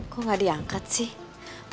kok gak diangkat sih